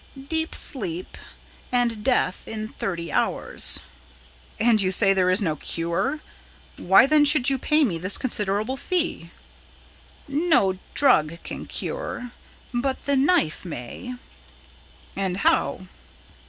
"Deep sleep, and death in thirty hours." "And you say there is no cure. Why then should you pay me this considerable fee?" "No drug can cure, but the knife may." "And how?"